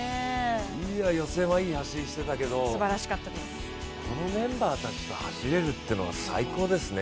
予選はいい走りしてたけどこのメンバーたちと走れるというのが最高ですね。